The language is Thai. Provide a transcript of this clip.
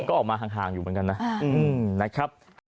ก็ออกมาห่างอยู่เหมือนกันนะครับ